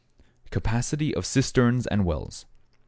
=Capacity of Cisterns or Wells.